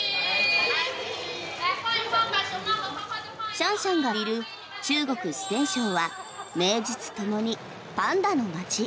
シャンシャンがいる中国・四川省は名実ともにパンダの街。